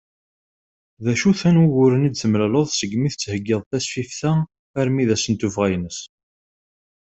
D acu-ten wuguren i d-temlaleḍ segmi tettheggiḍ tasfift-a armi d ass n tuffɣa-ines?